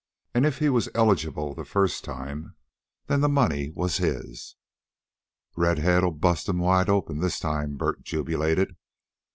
An' if he was eligible the first time, then the money was his." "Red head'll bust himself wide open this time," Bert jubilated.